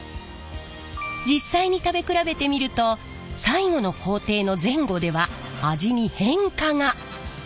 実際に食べ比べてみると最後の工程の前後では味に変化が。